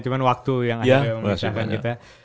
cuma waktu yang ada